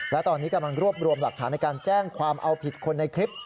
และตอนนี้กำลังรวบรวมหลักฐานในการแจ้งความเอาผิดคนในคลิป